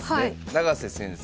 永瀬先生。